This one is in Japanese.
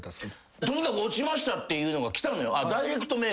とにかく落ちましたっていうのが。